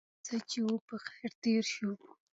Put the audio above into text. هرڅه چې و په خیر تېر شو.